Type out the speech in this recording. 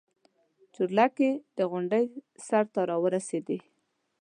چورلکې د غونډۍ سر ته راورسېدې.